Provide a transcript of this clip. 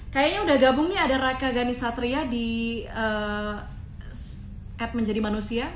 kayaknya udah gabung nih ada raka ghani satria di at menjadi manusia